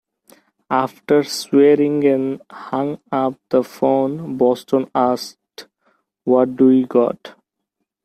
'" After Swearingen hung up the phone Boston asked, "What do we got?